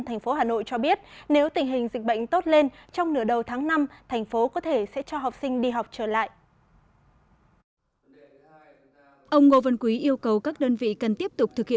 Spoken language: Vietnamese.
thay cơ sở diễn biến dịch bệnh trong nước quốc tế